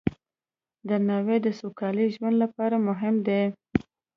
درناوی د سوکاله ژوند لپاره مهم دی.